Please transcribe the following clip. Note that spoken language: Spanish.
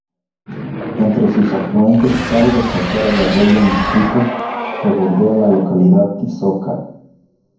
Entre sus afluentes cabe destacar al arroyo Mosquitos, que bordea la localidad de Soca.